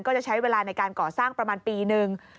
ก็จะใช้เวลาในการก่อสร้างประมาณปีหนึ่ง